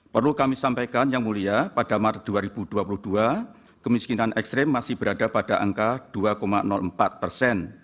perlu kami sampaikan yang mulia pada maret dua ribu dua puluh dua kemiskinan ekstrim masih berada pada angka dua empat persen